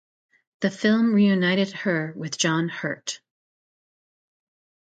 The film reunited her with John Hurt.